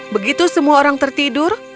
begitu semua orang tertidur